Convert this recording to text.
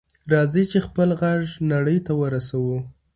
راځئ چې خپل غږ نړۍ ته ورسوو.